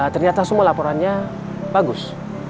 ternyata semua laporannya bagus